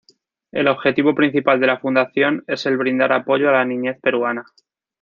El objetivo principal de la Fundación es el brindar apoyo a la niñez peruana.